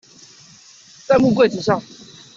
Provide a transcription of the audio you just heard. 在木櫃子上